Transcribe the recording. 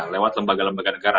lewat lembaga lembaga negara